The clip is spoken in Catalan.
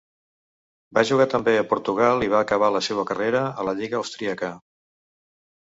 Va jugar també a Portugal i va acabar la seua carrera a la lliga austríaca.